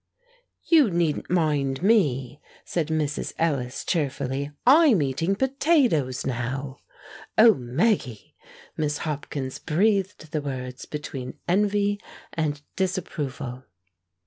"You needn't mind me," said Mrs. Ellis, cheerfully; "I'm eating potatoes now!" "Oh, Maggie!" Miss Hopkins breathed the words between envy and disapproval.